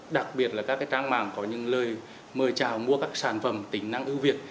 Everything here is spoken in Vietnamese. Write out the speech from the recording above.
đặc biệt là các trang mạng có những lời mời chào mua các sản phẩm tính năng ưu việt